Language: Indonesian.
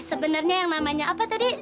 sebenarnya yang namanya apa tadi